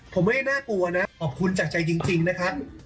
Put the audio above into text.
ผมไม่ได้น่ากลัวนะขอบคุณจากใจจริงนะครับ